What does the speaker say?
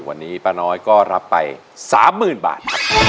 วันนี้ป้าน้อยก็รับไป๓๐๐๐บาทครับ